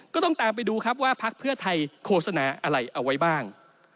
ก็ต้องตามไปดูครับว่าพักเพื่อไทยโฆษณาอะไรเอาไว้บ้าง